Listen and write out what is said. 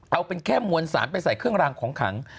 เอาเป็นแค่มวลสารไปใส่เครื่องรางของขัง